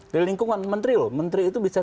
di lingkungan menteri loh menteri itu bisa